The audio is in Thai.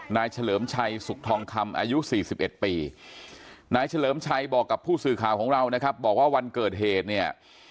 นายเฉลิมชัยสุขทองคำอายุ๔๑ปี